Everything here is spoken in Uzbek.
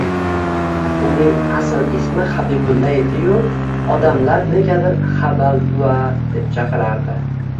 Uning asl ismi Habibulla edi-yu, odamlar negadir Habal buva deb chaqirardi.